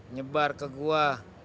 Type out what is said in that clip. nyebar ke gua